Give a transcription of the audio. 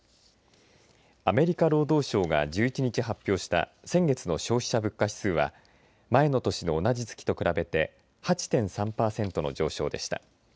アメリカ労働省が１１日発表した先月の消費者物価指数は前の年の同じ月と比べて８．３パーセントの上昇でした。